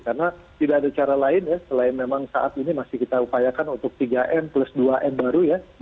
karena tidak ada cara lain ya selain memang saat ini masih kita upayakan untuk tiga m plus dua m baru ya